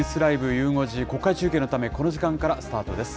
ゆう５時、国会中継のため、この時間からスタートです。